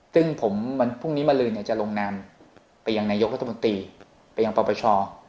ซึ่งผมพรุ่งนี้มารื่นจะลงนามไปยังนายกรรธมุติไปยังปรับประชา